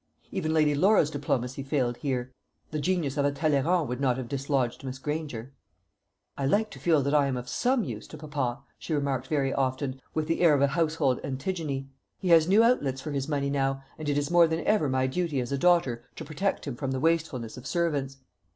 Even Lady Laura's diplomacy failed here. The genius of a Talleyrand would not have dislodged Miss Granger. "I like to feel that I am of some use to papa," she remarked very often, with the air of a household Antigone. "He has new outlets for his money now, and it is more than ever my duty as a daughter to protect him from the wastefulness of servants.